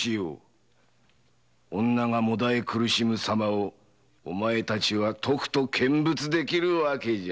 女がもだえ苦しむ様をお前たちは見物できる訳じゃ。